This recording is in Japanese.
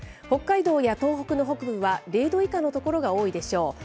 北海道や東北の北部は、０度以下の所が多いでしょう。